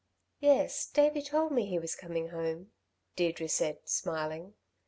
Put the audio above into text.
"Yes, Davey told me he was coming home," Deirdre said, smiling.